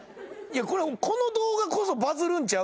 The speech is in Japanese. この動画こそバズるんちゃう？